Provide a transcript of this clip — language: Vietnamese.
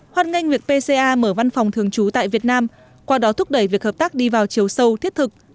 hoan nghênh việc pca mở văn phòng thường trú tại việt nam qua đó thúc đẩy việc hợp tác đi vào chiều sâu thiết thực